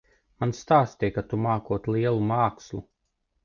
Man stāstīja, ka tu mākot lielu mākslu.